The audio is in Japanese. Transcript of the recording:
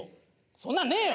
そんなのねぇよ！